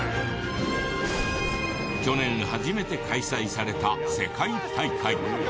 去年初めて開催された世界大会。